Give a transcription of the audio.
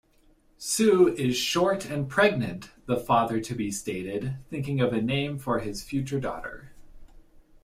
"Sue is short and pregnant", the father-to-be stated, thinking of a name for his future daughter.